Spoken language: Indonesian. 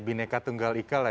bineka tunggal ika ya